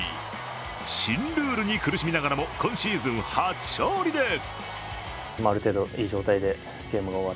新ルールに苦しみながらも今シーズン初勝利です。